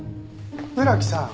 村木さん。